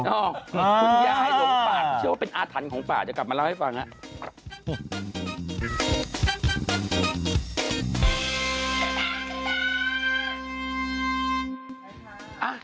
อ๋อคุณยายหลงปากเชื่อว่าเป็นอาถรรพ์ของปากจะกลับมาเล่าให้ฟังล่ะ